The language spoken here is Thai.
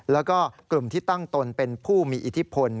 แล้วก็กลุ่มที่ตั้งตนเป็นผู้มีอิทธิพล